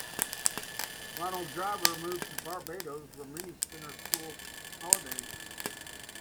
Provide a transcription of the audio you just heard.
Ronald Driver moved to Barbados, where Minnie spent her school holidays.